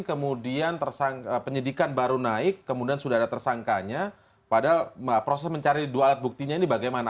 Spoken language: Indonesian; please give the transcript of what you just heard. kemudian penyidikan baru naik kemudian sudah ada tersangkanya padahal proses mencari dua alat buktinya ini bagaimana